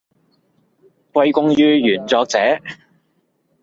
歸功於原作者